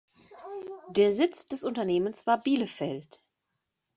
Der Sitz des Unternehmens war Bielefeld.